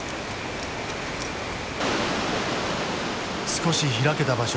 少し開けた場所に来た。